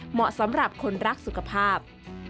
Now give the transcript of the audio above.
เหมาะสำหรับคนรักสุขภาพ